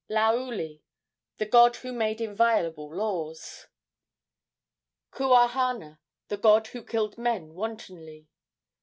Laauli, the god who made inviolable laws. Kuahana, the god who killed men wantonly.